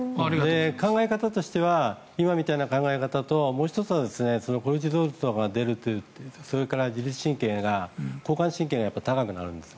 考え方としては今みたいな考え方ともう１つコルチゾールが出るそれから自律神経が交感神経が高くなるんです。